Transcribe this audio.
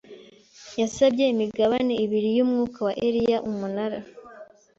yasabye imigabane ibiri y umwuka wa Eliya Umunara